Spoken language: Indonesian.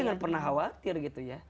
jangan pernah khawatir gitu ya